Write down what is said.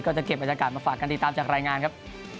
ก็จะเก็บอันดักการณ์มาฝากกันติดตามจากรายงานครับ